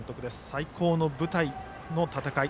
最高の舞台の戦い。